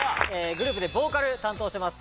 グループでボーカル担当してます